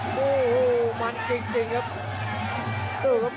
โอ้โหมันจริงจริงครับ